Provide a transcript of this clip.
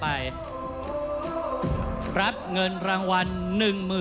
ท่านแรกครับจันทรุ่ม